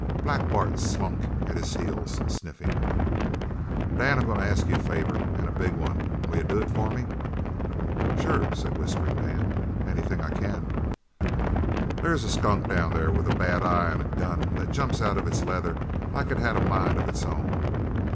Black Bart slunk at his heels, sniffing. "Dan, I'm goin' to ask you a favour an' a big one; will you do it for me?" "Sure," said Whistling Dan. "Anything I can." "There's a skunk down there with a bad eye an' a gun that jumps out of its leather like it had a mind of its own.